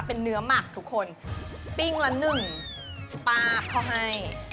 เป็นเนื้อหมักทุกคนปิ้งละหนึ่งป้าเขาให้